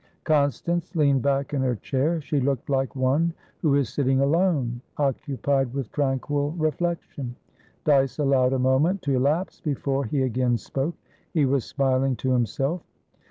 Constance leaned back in her chair. She looked like one who is sitting alone, occupied with tranquil reflection. Dyce allowed a moment to elapse before he again spoke; he was smiling to himself.